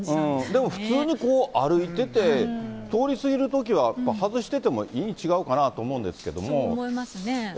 でも普通に歩いてて、通り過ぎるときはやっぱ外しててもいいんちがうかなと思うんですそう思いますね。